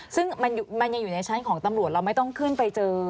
ซึ่งมันยังอยู่ในชั้นของตำรวจเราไม่ต้องขึ้นไปเจอ